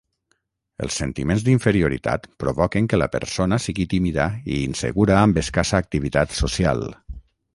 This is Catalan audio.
Els sentiments d’inferioritat provoquen que la persona sigui tímida i insegura amb escassa activitat social.